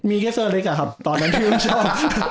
มีแค่เซอร์เล็กอะครับตอนนั้นพี่อุ้มชอบ